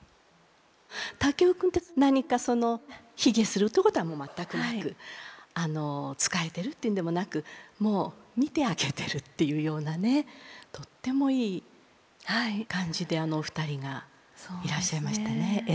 竹雄君って何かその卑下するってことはもう全くなくあの仕えているというのでもなくもう見てあげてるというようなねとってもいい感じであの２人がいらっしゃいましたね。